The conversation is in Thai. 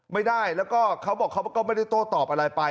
ไม่ได้แล้วก็เขาบอกเขาก็ไม่ได้โต้ตอบอะไรไป